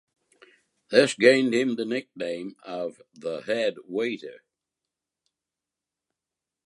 This gained him the nickname of "The Head Waiter".